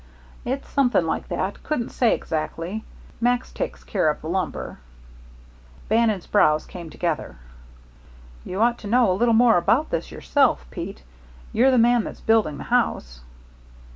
"It's something like that. Couldn't say exactly. Max takes care of the lumber." Bannon's brows came together. "You ought to know a little more about this yourself, Pete. You're the man that's building the house."